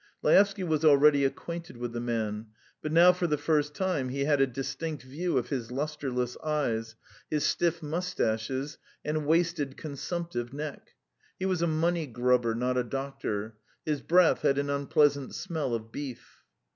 Laevsky was already acquainted with the man, but now for the first time he had a distinct view of his lustreless eyes, his stiff moustaches, and wasted, consumptive neck; he was a money grubber, not a doctor; his breath had an unpleasant smell of beef.